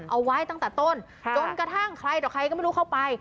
เอาไว้ตั้งแต่ต้นจนกระทั่งใครต่อใครก็ไม่รู้เข้าไป